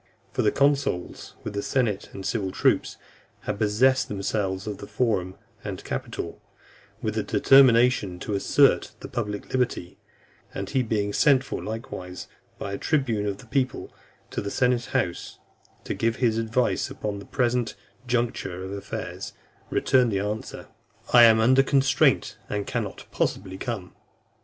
For the consuls, with the senate and civic troops, had possessed themselves of the Forum and Capitol, with the determination to assert the public liberty; and he being sent for likewise, by a tribune of the people, to the senate house, to give his advice upon the present juncture of affairs, returned answer, "I am under constraint, and cannot possibly come."